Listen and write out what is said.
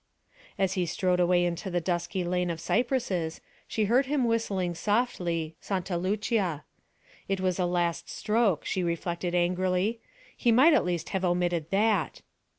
As he strode away into the dusky lane of cypresses, she heard him whistling softly 'Santa Lucia.' It was the last stroke, she reflected angrily; he might at least have omitted that!